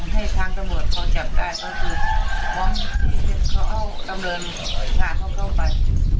ให้ทางตำรวจเขาจับได้ก็คือพร้อมที่เขาเอาตำรวจพาเขาเข้าไป